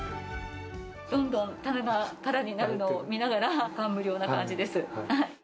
どんどん棚が空になるのを見ながら、感無量な感じです。